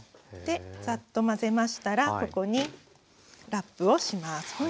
でざっと混ぜましたらここにラップをします。